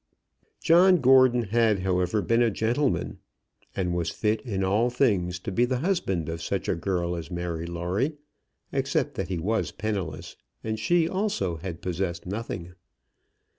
John Gordon had, however, been a gentleman, and was fit in all things to be the husband of such a girl as Mary Lawrie, except that he was penniless, and she, also, had possessed nothing.